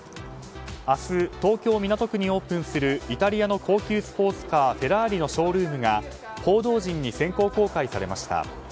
明日、東京・港区にオープンするイタリアの高級スポーツカーフェラーリのショールームが報道陣に先行公開されました。